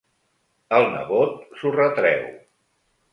El nebot s'ho retreu.